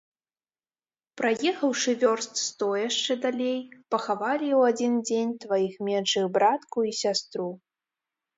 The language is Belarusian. Праехаўшы вёрст сто яшчэ далей, пахавалі ў адзін дзень тваіх меншых братку і сястру.